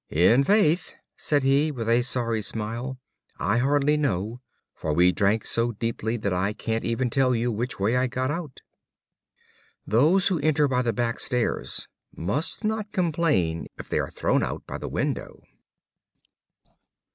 "In faith," said he, with a sorry smile, "I hardly know, for we drank so deeply, that I can't even tell you which way I got out." Those who enter by the back stairs must not complain if they are thrown out by the window.